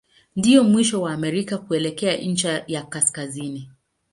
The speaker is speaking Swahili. Ndio mwisho wa Amerika kuelekea ncha ya kaskazini.